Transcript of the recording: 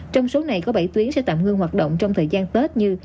trong số này có bảy tuyến sẽ tạm ngưng hoạt động trong thời gian tết như